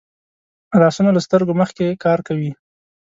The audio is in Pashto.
لاسونه له سترګو مخکې کار کوي